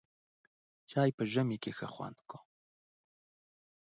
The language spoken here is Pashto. چای په ژمي کې ښه خوند کوي.